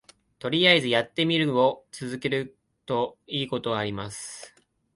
とりあえずやってみるを続けるといいことあります